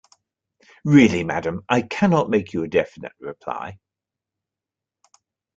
Really, madam, I cannot make you a definite reply.